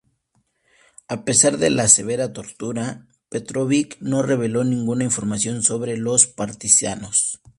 A pesar de la severa tortura, Petrović no reveló ninguna información sobre los Partisanos.